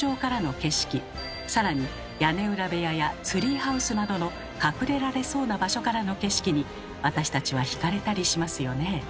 更に屋根裏部屋やツリーハウスなどの隠れられそうな場所からの景色に私たちは惹かれたりしますよね。